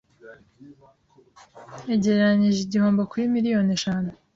Yagereranije igihombo kuri miliyoni eshanu